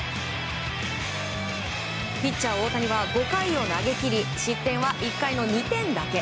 ピッチャー大谷は５回を投げ切り失点は１回の２点だけ。